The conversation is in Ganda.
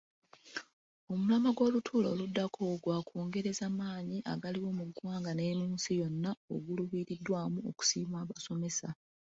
Omulamwa gw'olutuula oluddako gwa kwongereza maanyi agaliwo mu ggwanga ne mu nsi yonna oguluubiriddwamu okusiima basomesa.